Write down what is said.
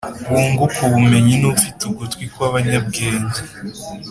wunguka ubumenyi n ufite ugutwi kw abanyabwenge